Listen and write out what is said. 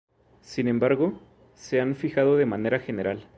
Sin embargo, se han fijado de manera general.